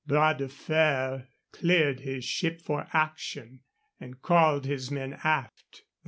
Bras de Fer cleared his ship for action and called his men aft.